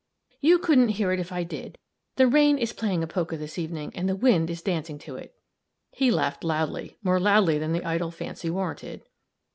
"You couldn't hear it if I did. The rain is playing a polka this evening, and the wind is dancing to it." He laughed loudly more loudly than the idle fancy warranted.